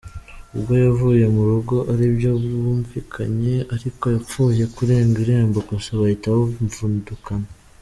Ubwo yavuye mu rugo aribyo bumvikanye, ariko yapfuye kurenga irembo gusa bahita bamvudukana.